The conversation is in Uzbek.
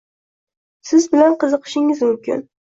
Siz ham qiziqishingiz mumkin.